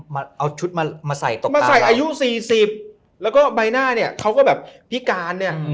มาใส่อายุ๔๐แล้วก็ใบหน้าเนี่ยเขาก็แบบพิการเนี่ย